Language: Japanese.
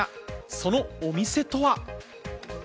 そのお店とは？